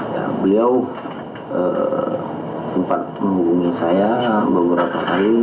ya beliau sempat menghubungi saya beberapa kali